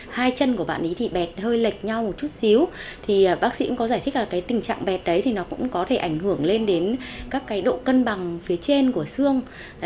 hai chân của bạn ấy thì bẹt hơi lệch nhau một chút xíu thì bác sĩ cũng có giải thích là cái tình trạng bét đấy thì nó cũng có thể ảnh hưởng lên đến các cái độ cân bằng phía trên của xương